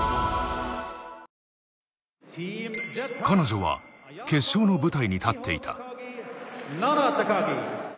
彼女は決勝の舞台に立っていた。